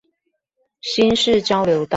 新市交流道